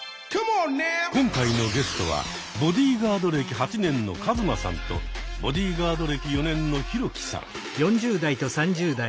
今回のゲストはボディーガード歴８年のカズマさんとボディーガード歴４年のヒロキさん。